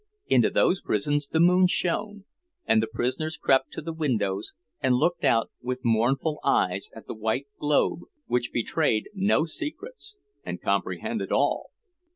Into those prisons the moon shone, and the prisoners crept to the windows and looked out with mournful eyes at the white globe which betrayed no secrets and comprehended all.